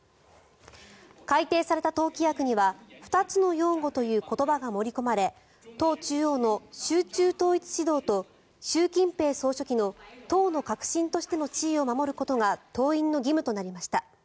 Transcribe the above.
改定された党規約には二つの擁護という言葉が盛り込まれ党中央の集中統一指導と習近平総書記の党の核心としての地位を守ることが党員の義務となりました。